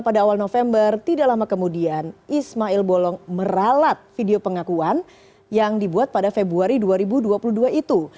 pada awal november tidak lama kemudian ismail bolong meralat video pengakuan yang dibuat pada februari dua ribu dua puluh dua itu